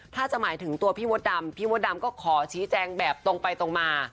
ถ้าจะหมายถึงตัวพี่มดดำพี่มดดำก็ขอชี้แจงแบบตรงไปตรงมา